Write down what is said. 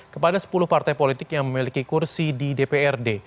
kepada sepuluh partai politik yang memiliki kursi di dprd